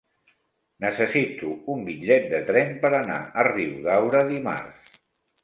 Necessito un bitllet de tren per anar a Riudaura dimarts.